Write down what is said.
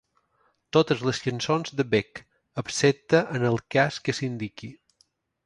Totes les cançons de Beck, excepte en el cas que s'indiqui.